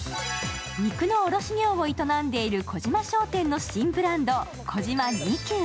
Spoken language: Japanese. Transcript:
肉の卸業を営んでいる小島商店の新ブランド、ＫＯＪＩＭＡ２９。